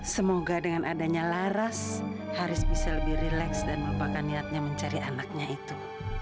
semoga dengan adanya laras haris bisa lebih relax dan merupakan niatnya mencari anaknya itu